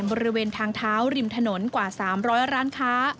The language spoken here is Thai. บริเวณทางเท้าริมถนนกว่า๓๐๐ร้านค้า